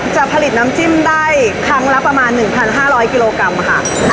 จะผลิตน้ำจิ้มได้ครั้งละประมาณ๑๕๐๐กิโลกรัมค่ะ